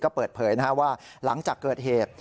ก็เปิดเผยว่าหลังจากเกิดเหตุ